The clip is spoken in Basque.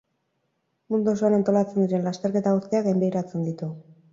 Mundu osoan antolatzen diren lasterketa guztiak gainbegiratzen ditu.